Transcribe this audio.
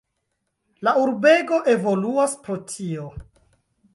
La urbego evoluas pro tio.